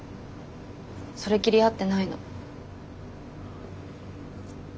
それっきり会ってないの。